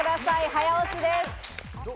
早押しです。